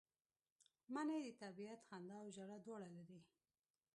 منی د طبیعت خندا او ژړا دواړه لري